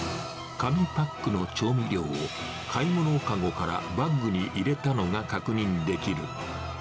紙パックの調味料を、買い物籠からバッグに入れたのが確認できる。